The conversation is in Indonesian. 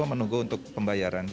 menunggu untuk pembayaran